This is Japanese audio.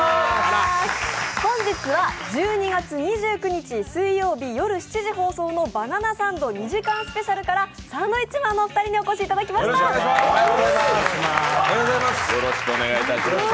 本日は１２月２９日水曜日夜７時放送の「バナナサンド２時間スペシャル」からサンドウィッチマンのお二人にお越しいただきました。